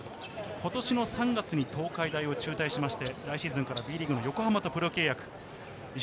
今年の３月に東海大を中退しまして、来シーズンからＢリーグの横浜とプロ契約。